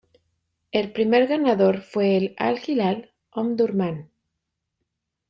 El primer ganador fue el Al-Hilal Omdurmán.